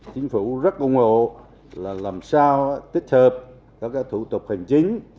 chính phủ rất ủng hộ là làm sao tích hợp các thủ tục hành chính